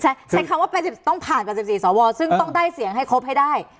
ใช้คำว่าต้องผ่านไป๑๔สวซึ่งต้องได้เสียงให้ครบให้ได้